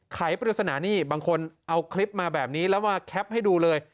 ไขปริศนานี่บางคนเอาคลิปมาแบบนี้แล้วมาแคปให้ดูเลย